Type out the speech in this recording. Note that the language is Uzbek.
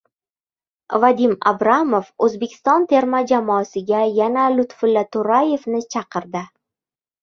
Vadim Abramov O‘zbekiston terma jamoasiga yana Lutfulla To‘rayevni chaqirdi